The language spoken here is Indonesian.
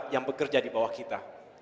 yang bekerja di bawah kita